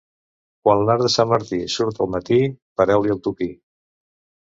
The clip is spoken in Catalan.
Quan l'arc de sant Martí surt al matí, pareu-li el tupí.